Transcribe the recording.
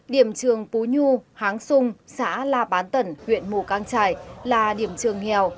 điểm trường pú nhu háng sung xã la bán tẩn huyện mù căng trải là điểm trường nghèo